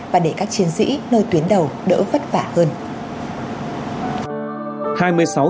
và để các chiến sĩ nơi tuyến đầu đỡ vất vả hơn